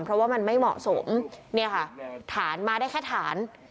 เพราะว่ามันไม่เหมาะสมเนี่ยค่ะฐานมาได้แค่ฐาน